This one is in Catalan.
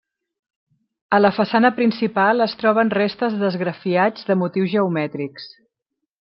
A la façana principal es troben restes d'esgrafiats de motius geomètrics.